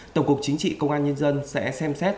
tổng cục chính trị công an nhân dân sẽ xem xét